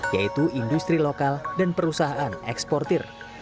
yaitu industri lokal dan perusahaan eksportir